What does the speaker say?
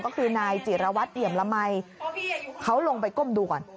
ก็คือนายจิรวัตรเอี่ยมละมัยเขาลงไปก้มดูก่อน